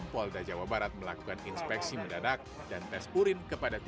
polda jawa barat melakukan inspeksi mendadak dan tes urin kepada tim